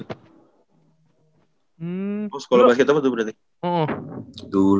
oh sekolah basket apa tuh berarti